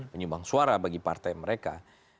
penyumbang suara bagi partai mereka